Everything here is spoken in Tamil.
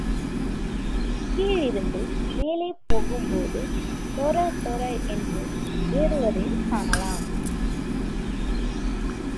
கீழிருந்து மேலே போகும்போது சொரசொர என்று ஏறுவதையும் காணலாம்.